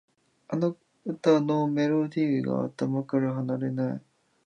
あの歌のメロディーが頭から離れない